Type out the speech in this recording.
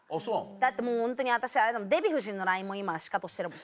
だってもうホントに私デヴィ夫人のＬＩＮＥも今シカトしてるもん。